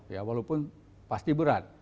ya walaupun pasti berat